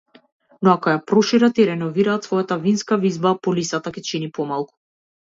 Но ако ја прошират и реновираат својата винска визба, полисата ќе чини помалку.